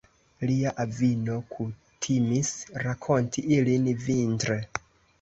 Lia avino kutimis rakonti ilin vintre.